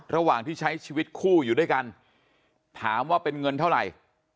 ระหว่างที่ใช้ชีวิตคู่อยู่ด้วยกันถามว่าเป็นเงินเท่าไหร่